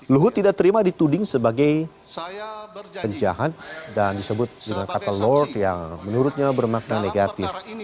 luhut tidak terima dituding sebagai penjahat dan disebut dengan kata lord yang menurutnya bermakna negatif